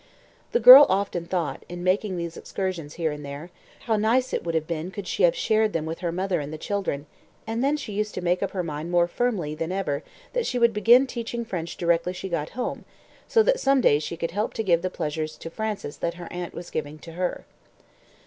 The girl often thought, in making these excursions here and there, how nice it would have been could she have shared them with her mother and the children; and then she used to make up her mind more firmly than ever that she would begin teaching French directly she got home, so that some day she could help to give the pleasure to Frances that her aunt was giving to her.